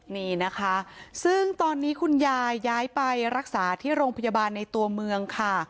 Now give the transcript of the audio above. นี่นะคะซึ่งตอนนี้คุณยายย้ายไปรักษาที่โรงพยาบาลในตัวเมืองค่ะ